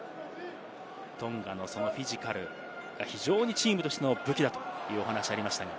トンガのフィジカルが非常にチームとしての武器だというお話がありました。